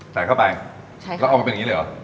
ใส่เข้าไปใช่ค่ะแล้วเอามาเป็นแบบนี้เลยหรอ